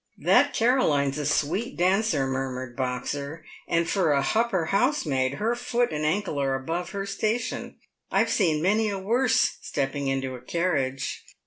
147 " That Caroline's a sweet dancer," murmured Boxer ;" and for a hupper housemaid, her foot and ankle are above her station. I've seen many a worse stepping into a carriage."